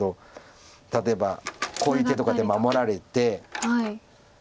例えばこういう手とかで守られて。